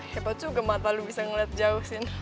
hebat juga mata lo bisa ngeliat jauh cin